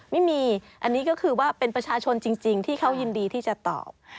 ไม่มีอันนี้ก็คือว่าเป็นประชาชนจริงที่เขายินดีที่จะตอบ